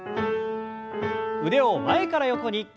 腕を前から横に。